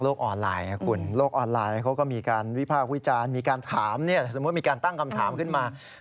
โลกออนไลน์เขาก็มีการวิภาควิจารณ์มีการถามสมมุติมีการตั้งคำถามขึ้นมา